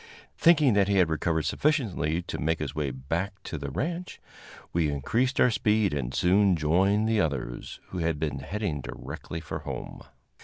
Thinking that he had recovered sufficiently to make his way back to the ranch, we increased our speed and soon joined the others, who had been heading directly for home.